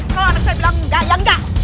kalau anak saya bilang enggak ya enggak